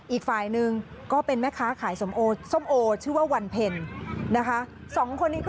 อีกฝ่ายหนึ่งก็เป็นแม่ค้าขายส้มโอชื่อว่าวันเพ็ญนะคะ